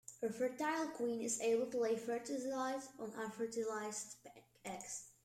A fertile queen is able to lay fertilized or unfertilized eggs.